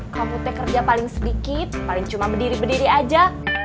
kamu teh kerja paling sedikit paling cuma berdiri berdiri aja